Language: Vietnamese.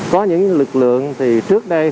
có những lực lượng thì trước đây